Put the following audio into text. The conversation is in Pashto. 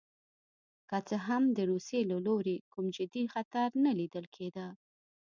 که څه هم د روسیې له لوري کوم جدي خطر نه لیدل کېده.